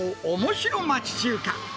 おもしろ町中華。